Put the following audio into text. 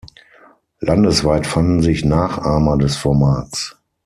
Landesweit fanden sich Nachahmer des Formats.